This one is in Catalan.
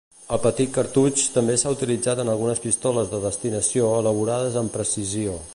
El petit cartutx també s'ha utilitzat en algunes pistoles de destinació elaborades amb precisió.